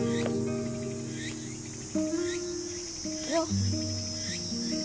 よっ。